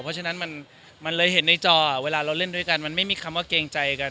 เพราะฉะนั้นมันเลยเห็นในจอเวลาเราเล่นด้วยกันมันไม่มีคำว่าเกรงใจกัน